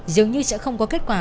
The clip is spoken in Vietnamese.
dường như sẽ không có kết quả